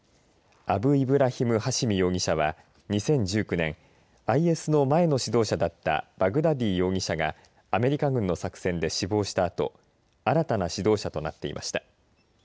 アブイブラヒム・ハシミ容疑者は２０１９年ＩＳの前の指導者だったバグダディ容疑者がアメリカ軍の作戦で死亡したあと新たな指導者となっていました。